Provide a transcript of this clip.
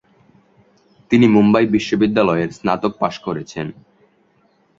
তিনি মুম্বই বিশ্ববিদ্যালয়ের স্নাতক পাশ করেছেন।